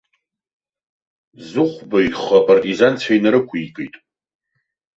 Зыхәба ихы апартизанцәа инарықәикит.